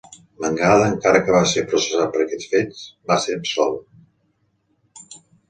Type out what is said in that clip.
Mangada, encara que va ser processat per aquests fets, va ser absolt.